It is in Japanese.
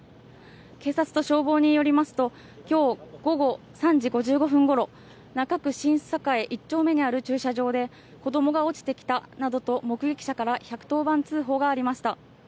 警察と消防によりますと、きょう午後３時５５分ごろ、中区新栄１丁目にある駐車場で、子どもが落ちてきたなどと目撃者から１１０番通報がありました。